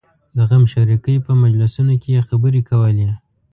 د غمشریکۍ په مجلسونو کې یې خبرې کولې.